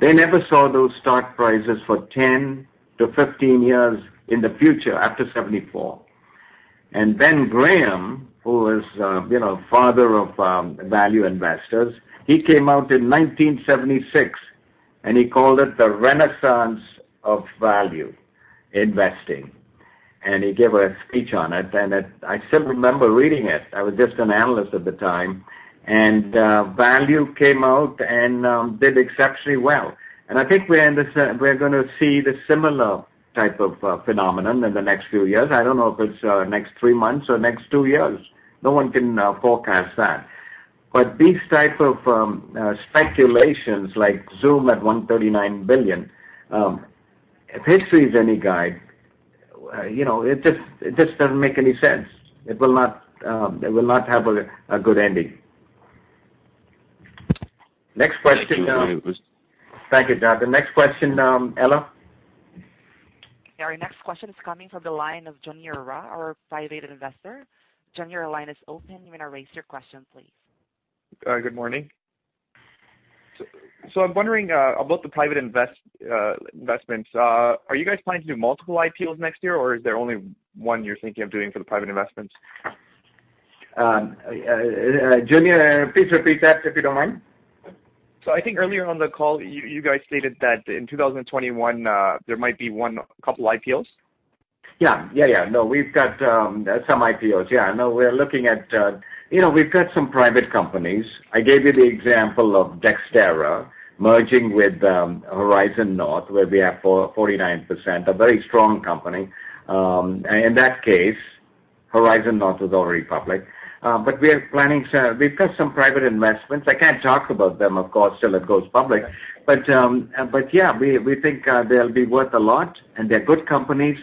they never saw those stock prices for 10-15 years in the future after 1974. Ben Graham, who is the father of value investors, he came out in 1976, and he called it the Renaissance of Value Investing. He gave a speech on it, and I still remember reading it. I was just an analyst at the time. Value came out and did exceptionally well. I think we're going to see the similar type of phenomenon in the next few years. I don't know if it's next three months or next two years. No one can forecast that. These type of speculations, like Zoom at 139 billion, if history is any guide, it just doesn't make any sense. It will not have a good ending. Next question. Thank you. Thank you, Jonathan. Next question, Ella? Our next question is coming from the line of [Junira], our private investor. [Junira], line is open. You may now raise your question, please. Good morning. I'm wondering about the private investments. Are you guys planning to do multiple IPOs next year, or is there only one you're thinking of doing for the private investments? [Junira], please repeat that, if you don't mind. I think earlier on the call, you guys stated that in 2021, there might be couple IPOs. Yeah. No, we've got some IPOs. Yeah, no, we've got some private companies. I gave you the example of Dexterra merging with Horizon North, where we have 49%, a very strong company. In that case, Horizon North is already public. We've got some private investments. I can't talk about them, of course, till it goes public. Yeah, we think they'll be worth a lot, and they're good companies.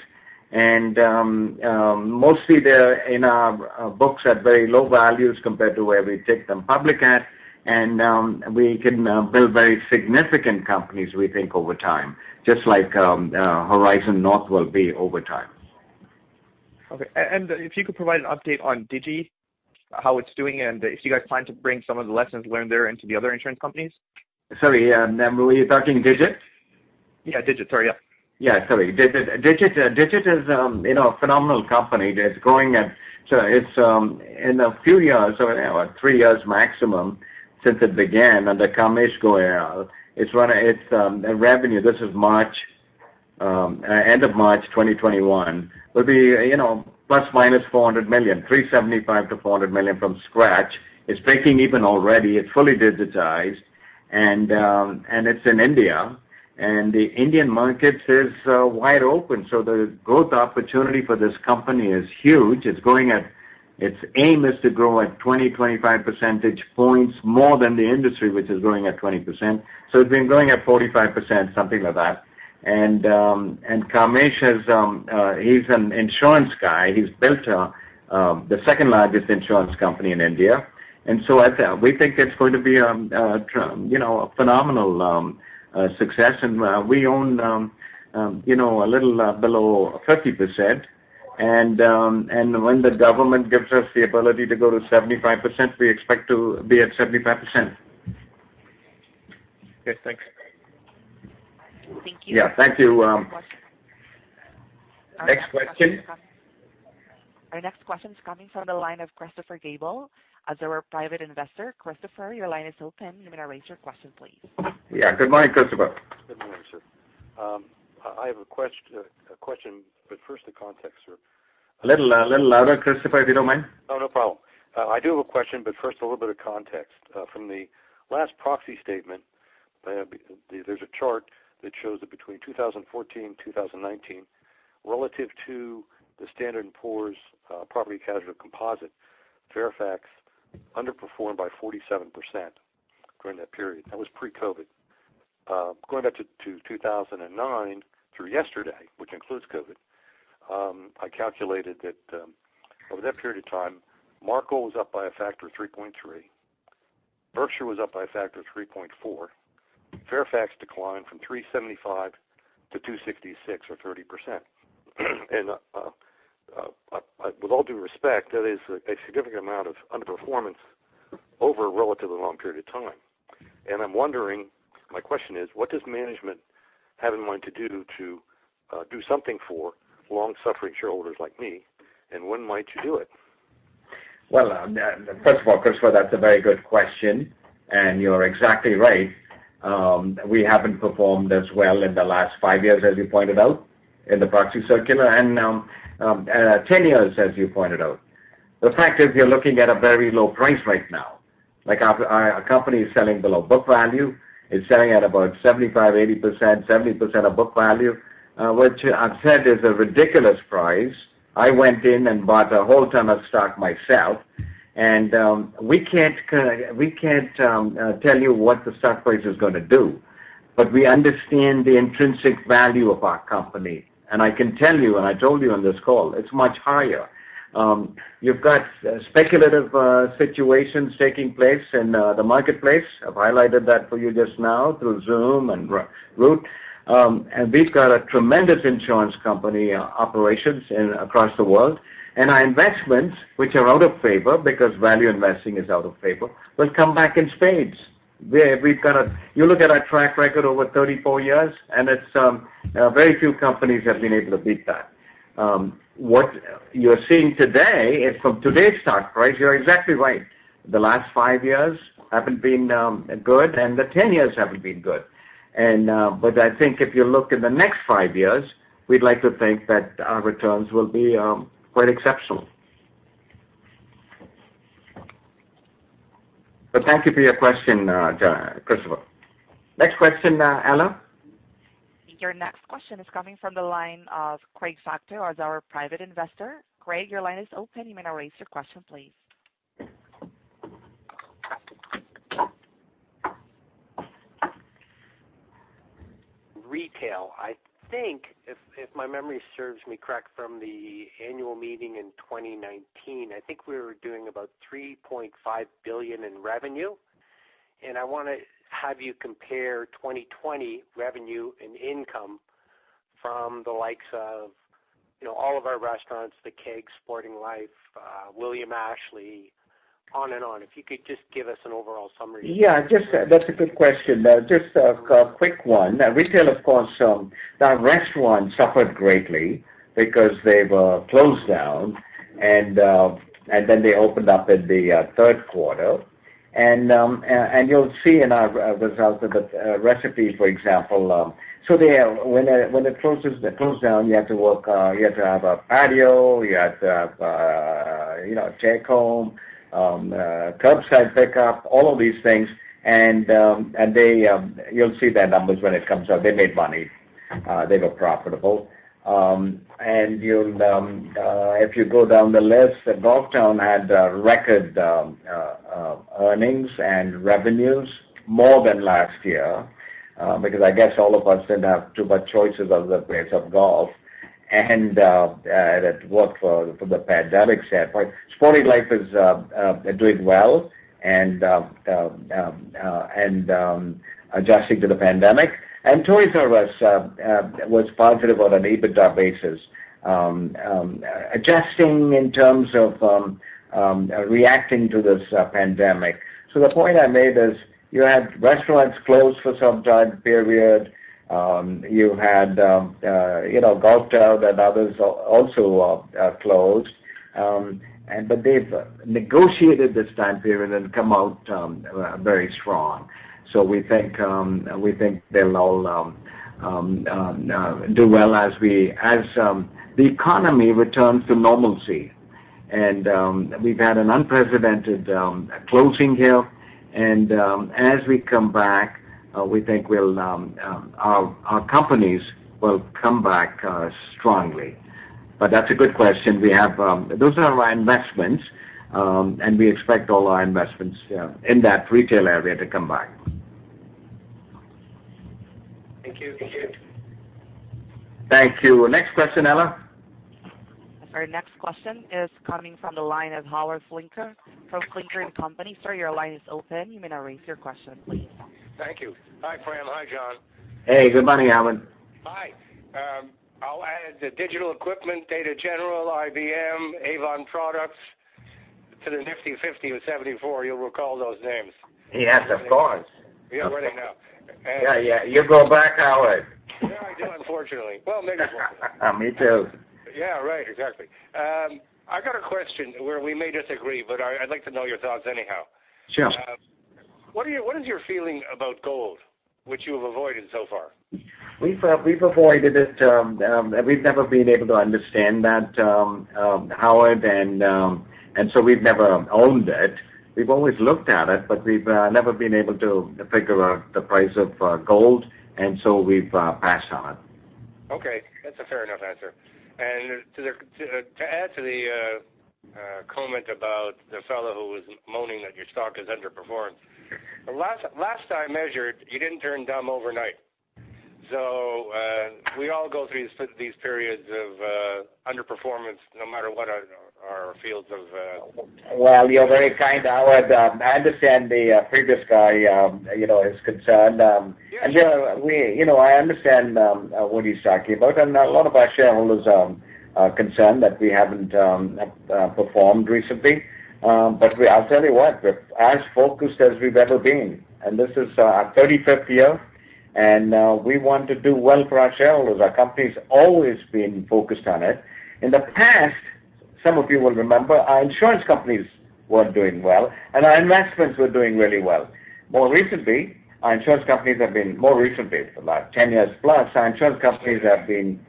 Mostly they're in our books at very low values compared to where we take them public at. We can build very significant companies, we think, over time. Just like Horizon North will be over time. Okay. If you could provide an update on Digit, how it's doing, and if you guys plan to bring some of the lessons learned there into the other insurance companies. Sorry, were you talking Digit? Yeah, Digit. Sorry, yeah. Yeah, sorry. Digit is a phenomenal company. In a few years, or three years maximum since it began under Kamesh Goyal, its revenue, this is end of March 2021, will be ±400 million, 375 million-400 million from scratch. It's breaking even already. It's fully digitized. It's in India, and the Indian market is wide open. The growth opportunity for this company is huge. Its aim is to grow at 20, 25 percentage points more than the industry, which is growing at 20%. It's been growing at 45%, something like that. Kamesh, he's an insurance guy. He's built the second largest insurance company in India. We think it's going to be a phenomenal success. We own a little below 30%. When the government gives us the ability to go to 75%, we expect to be at 75%. Okay, thanks. Thank you. Yeah. Thank you. Next question. Our next question is coming from the line of Christopher Gable. As our private investor, Christopher, your line is open. You may now raise your question, please. Yeah, good morning, Christopher. Good morning, sir. I have a question, but first the context, sir. A little louder, Christopher, if you don't mind. Oh, no problem. I do have a question, but first a little bit of context. From the last proxy statement, there's a chart that shows that between 2014, 2019, relative to the Standard & Poor's property casualty composite, Fairfax underperformed by 47% during that period. That was pre-COVID. Going back to 2009 through yesterday, which includes COVID, I calculated that over that period of time, Markel was up by a factor of 3.3. Berkshire was up by a factor of 3.4. Fairfax declined from 375 to 266 or 30%. With all due respect, that is a significant amount of underperformance over a relatively long period of time. I'm wondering, my question is, what does management have in mind to do to do something for long-suffering shareholders like me, and when might you do it? Well, first of all, Christopher, that's a very good question. You're exactly right. We haven't performed as well in the last five years, as you pointed out in the proxy circular, and 10 years, as you pointed out. The fact is, you're looking at a very low price right now. Our company is selling below book value. It's selling at about 75%, 80%, 70% of book value, which I've said is a ridiculous price. I went in and bought a whole ton of stock myself. We can't tell you what the stock price is going to do. We understand the intrinsic value of our company. I can tell you, and I told you on this call, it's much higher. You've got speculative situations taking place in the marketplace. I've highlighted that for you just now through Zoom and Root. We've got a tremendous insurance company operations across the world. Our investments, which are out of favor because value investing is out of favor, will come back in spades. You look at our track record over 34 years, very few companies have been able to beat that. What you're seeing today is from today's stock price, you're exactly right. The last five years haven't been good, the 10 years haven't been good. I think if you look in the next five years, we'd like to think that our returns will be quite exceptional. Thank you for your question, Christopher. Next question, Anna. Your next question is coming from the line of [Craig Facteau] as our private investor. Craig, your line is open. You may now raise your question, please. Retail, I think if my memory serves me correct from the annual meeting in 2019, I think we were doing about 3.5 billion in revenue. I want to have you compare 2020 revenue and income from the likes of all of our restaurants, The Keg, Sporting Life, William Ashley, on and on. If you could just give us an overall summary. Yeah, that's a good question. Just a quick one. Retail, of course, our restaurants suffered greatly because they were closed down, and then they opened up in the third quarter. You'll see in our results that Recipe, for example, so when it closed down, you had to have a patio. You had to have take home, curbside pickup, all of these things, and you'll see their numbers when it comes out. They made money. They were profitable. If you go down the list, Golf Town had record earnings and revenues more than last year, because I guess all of us didn't have too much choices of the place of golf, and that worked from the pandemic standpoint. Sporting Life is doing well and adjusting to the pandemic. Toys 'R' Us was positive on an EBITDA basis, adjusting in terms of reacting to this pandemic. The point I made is you had restaurants closed for some time period. You had Golf Town and others also closed. They've negotiated this time period and come out very strong. We think they'll all do well as the economy returns to normalcy. We've had an unprecedented closing here, and as we come back, we think our companies will come back strongly. That's a good question. Those are our investments, and we expect all our investments in that retail area to come back. Thank you. Thank you. Next question, Ella. Our next question is coming from the line of Howard Flinker from Flinker & Company. Sir, your line is open. You may now raise your question, please. Thank you. Hi, Prem. Hi, Jen. Hey, good morning, Howard. Hi. I'll add the Digital Equipment Corporation, Data General, IBM, Avon Products to the Nifty Fifty of 1974. You'll recall those names. Yes, of course. You already know. Yeah. You go back, Howard. Yeah, I do, unfortunately. Well, maybe fortunately. Me too. Yeah. Right. Exactly. I got a question where we may disagree, but I'd like to know your thoughts anyhow. Sure. What is your feeling about gold, which you have avoided so far? We've avoided it. We've never been able to understand that, Howard, and so we've never owned it. We've always looked at it, but we've never been able to figure out the price of gold, and so we've passed on it. Okay. That's a fair enough answer. To add to the comment about the fellow who was moaning that your stock has underperformed. Last I measured, you didn't turn dumb overnight. We all go through these periods of underperformance no matter what our fields of. Well, you're very kind, Howard. I understand the previous guy, his concern. Yeah, sure. I understand what he's talking about, and a lot of our shareholders are concerned that we haven't performed recently. I'll tell you what, we're as focused as we've ever been, and this is our 35th year, and we want to do well for our shareholders. Our company's always been focused on it. In the past, some of you will remember, our insurance companies were doing well, and our investments were doing really well. More recently, for the last 10 years+, our insurance companies have been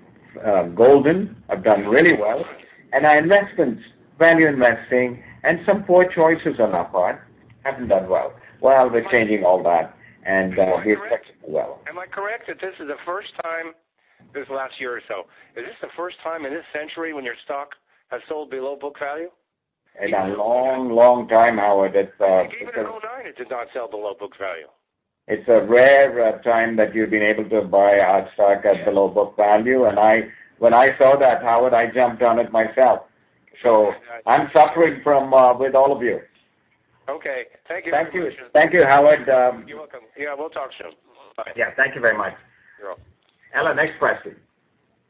golden, have done really well, and our investments, value investing, and some poor choices on our part haven't done well. Well, we're changing all that, and we expect to do well. Am I correct that this is the first time, this last year or so, is this the first time in this century when your stock has sold below book value? In a long, long time, Howard. I think even in 2009, it did not sell below book value. It's a rare time that you've been able to buy our stock at below book value, and when I saw that, Howard, I jumped on it myself. I'm suffering with all of you. Okay. Thank you. Thank you, Howard. You're welcome. Yeah, we'll talk soon. Bye. Yeah. Thank you very much. You're welcome. Ella, next question.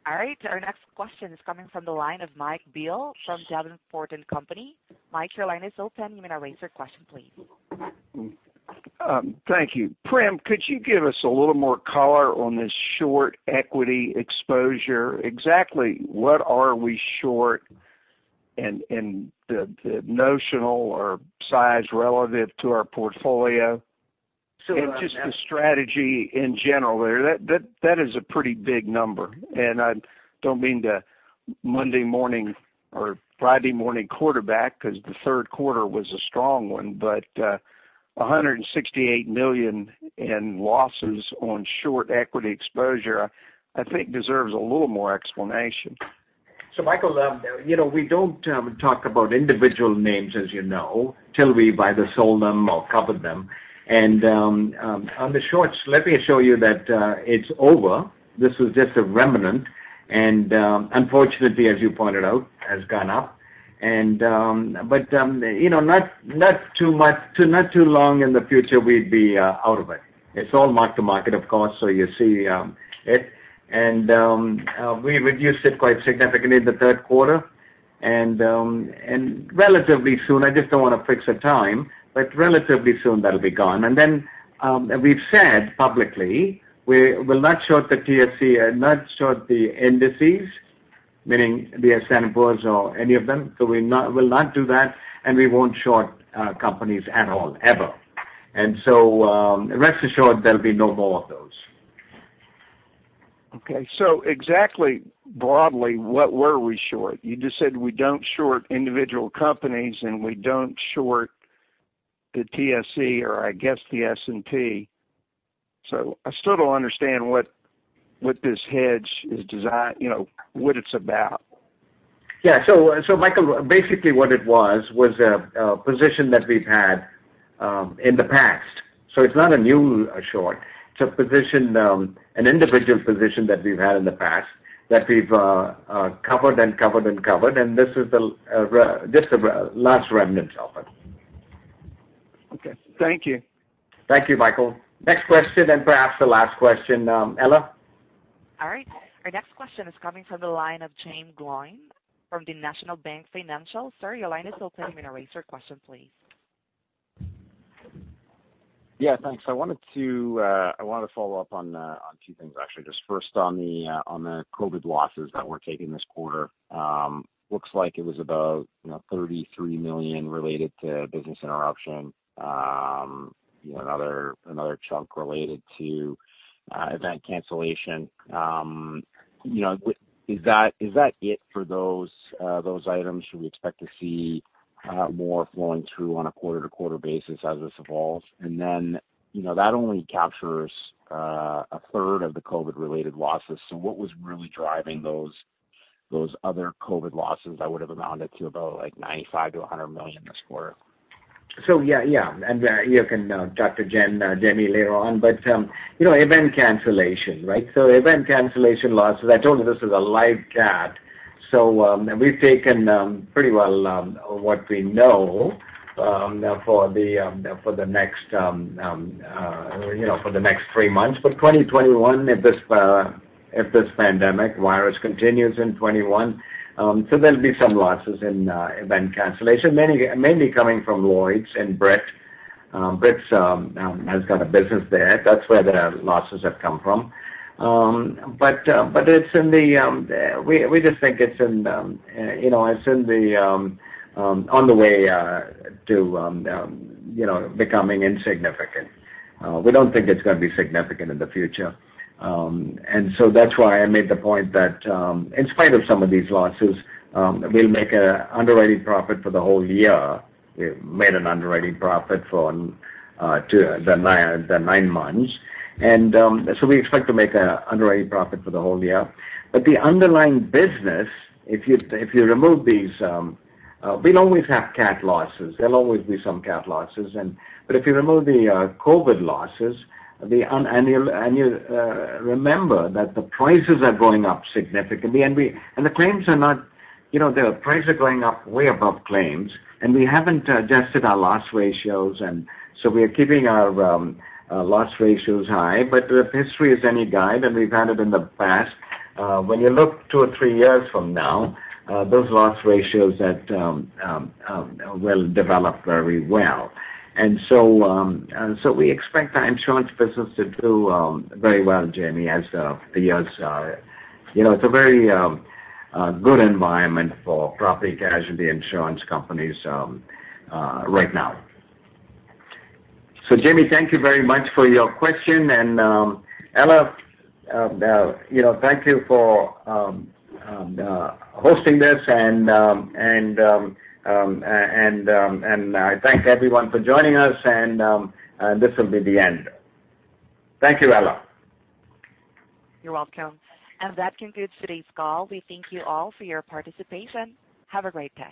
All right, our next question is coming from the line of Mike Beall from Davenport & Company. Mike, your line is open. You may now raise your question, please. Thank you. Prem, could you give us a little more color on this short equity exposure? Exactly what are we short, the notional or size relative to our portfolio? Just the strategy in general there. That is a pretty big number. I don't mean to Monday morning or Friday morning quarterback because the third quarter was a strong one, but 168 million in losses on short equity exposure, I think deserves a little more explanation. Mike, we don't talk about individual names, as you know, till we've either sold them or covered them. On the shorts, let me assure you that it's over. This is just a remnant, and unfortunately, as you pointed out, has gone up. Not too long in the future, we'd be out of it. It's all mark-to-market, of course, so you see it. We reduced it quite significantly in the third quarter. Relatively soon, I just don't want to fix a time, but relatively soon, that'll be gone. We've said publicly, we will not short the TSE and not short the indices, meaning the S&P or any of them. We will not do that, and we won't short companies at all, ever. Rest assured there'll be no more of those. Okay. Exactly, broadly, what were we short? You just said we don't short individual companies, and we don't short the TSE or I guess the S&P. I still don't understand what this hedge is designed, what it's about. Yeah. Mike, basically what it was a position that we've had in the past. It's not a new short, it's an individual position that we've had in the past that we've covered and covered and covered, and this is the last remnant of it. Okay. Thank you. Thank you, Mike. Next question, perhaps the last question. Ella? All right. Our next question is coming from the line of Jaeme Gloyn from the National Bank Financial. Sir, your line is open. You may raise your question please. Yeah, thanks. I wanted to follow up on two things, actually. First on the COVID losses that we're taking this quarter. Looks like it was about 33 million related to business interruption. Another chunk related to event cancellation. Is that it for those items? Should we expect to see more flowing through on a quarter-to-quarter basis as this evolves? That only captures a third of the COVID-related losses. What was really driving those other COVID losses that would've amounted to about 95 million-100 million this quarter? Yeah. You can talk to Jaeme later on, but event cancellation. Event cancellation losses, I told you this is a live cat. We've taken pretty well what we know for the next three months. 2021, if this pandemic virus continues in 2021, so there'll be some losses in event cancellation, mainly coming from Lloyd's and Brit. Brit has got a business there. That's where the losses have come from. We just think it's on the way to becoming insignificant. We don't think it's going to be significant in the future. That's why I made the point that, in spite of some of these losses, we'll make an underwriting profit for the whole year. We made an underwriting profit for the nine months. So we expect to make an underwriting profit for the whole year. The underlying business, we'll always have cat losses. There'll always be some cat losses. If you remove the COVID losses, and you remember that the prices are going up significantly, and the prices are going up way above claims, and we haven't adjusted our loss ratios and so we are keeping our loss ratios high. If history is any guide, and we've had it in the past, when you look two or three years from now, those loss ratios will develop very well. We expect our insurance business to do very well, Jaeme. It's a very good environment for property casualty insurance companies right now. Jaeme, thank you very much for your question. Ella thank you for hosting this and I thank everyone for joining us and this will be the end. Thank you, Ella. You're welcome. That concludes today's call. We thank you all for your participation. Have a great day.